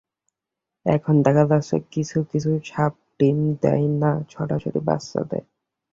এখন দেখা যাচ্ছে কিছু-কিছু সাপডিম দেয় না, সরাসরি বাচ্চা দেয়।